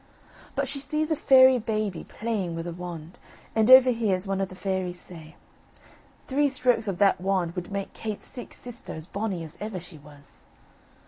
But she sees a fairy baby playing with a wand, and overhears one of the fairies say: "Three strokes of that wand would make Kate's sick sister as bonnie as ever she was."